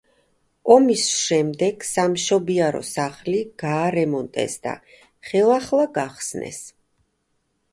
ომის შემდეგ სამშობიარო სახლი გაარემონტეს და ხელახლა გახსნეს.